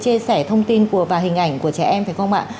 chia sẻ thông tin và hình ảnh của trẻ em phải không ạ